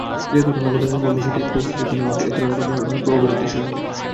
যে ঘটনা ঘটা সম্ভব না সেটা ইম্পসিবল ইভেন্ট, এধরনের ঘটনার প্রবাবিলিটি শূন্য।